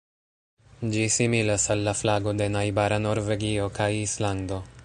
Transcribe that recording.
Ĝi similas al la flago de najbara Norvegio kaj Islando.